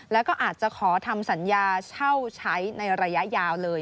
แล้วก็อาจจะขอทำสัญญาเช่าใช้ในระยะยาวเลย